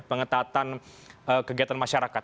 pengetatan kegiatan masyarakat